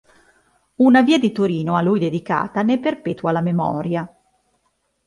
Una via di Torino a lui dedicata ne perpetua la memoria.